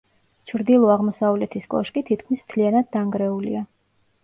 ჩრდილო-აღმოსავლეთის კოშკი თითქმის მთლიანად დანგრეულია.